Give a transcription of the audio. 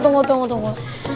tunggu tunggu tunggu